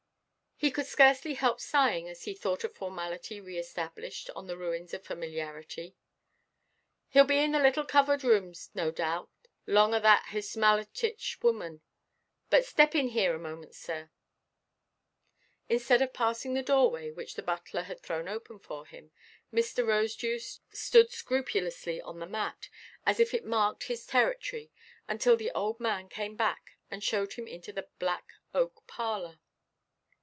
He could scarcely help sighing as he thought of formality re–established on the ruins of familiarity. "Heʼll be in the little coved room, no doubt, long o' that Hismallitish woman. But step in here a moment, sir." Instead of passing the doorway, which the butler had thrown open for him, Mr. Rosedew stood scrupulously on the mat, as if it marked his territory, until the old man came back and showed him into the black oak parlour.